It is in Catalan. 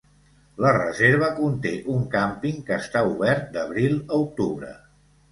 La reserva conté un càmping que està obert d'abril a octubre.